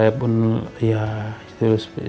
aku merasa terluka